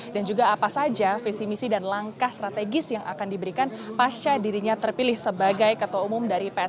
dan juga apa saja visi misi dan langkah strategis yang akan diberikan pasca dirinya terpilih sebagai ketua umum